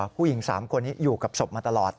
ผู้หญิง๓คนนี้อยู่กับศพมาตลอด